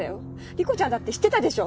理子ちゃんだって知ってたでしょ！